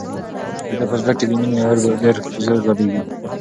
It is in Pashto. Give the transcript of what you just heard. د ده په زړه کې د مینې اور په ډېر زور بلېږي.